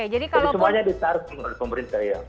jadi semuanya disarcing oleh pemerintah ya